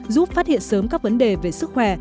giúp phát hiện sớm các vấn đề về sức khỏe